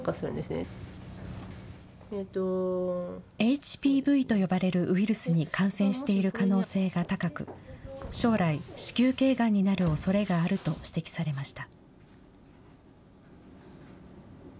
ＨＰＶと呼ばれるウイルスに感染している可能性が高く、将来、子宮けいがんになるおそれがあると指摘されました。